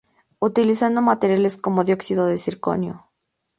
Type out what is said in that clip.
Utilizando materiales como el dióxido de zirconio.